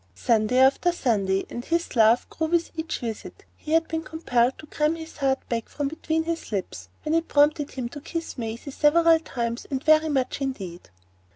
Sunday after Sunday, and his love grew with each visit, he had been compelled to cram his heart back from between his lips when it prompted him to kiss Maisie several times and very much indeed.